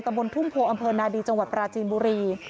บนทุ่งโพอำเภอนาดีจังหวัดปราจีนบุรี